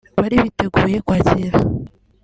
bari biteguye kwakira